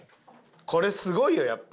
これすごいよやっぱ。